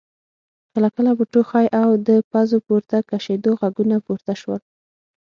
کله کله به ټوخی او د پزو د پورته کشېدو غږونه پورته شول.